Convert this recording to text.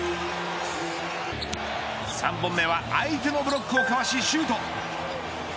３本目は相手のブロックをかわしシュート。